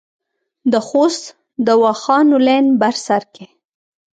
د خوست دواخانو لین بر سر کې